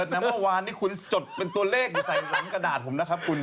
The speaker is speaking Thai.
กำลังเซิร์ชนะวันนี้คุณจดเป็นตัวเลขดูใส่หลังกระดาษผมนะครับคุณ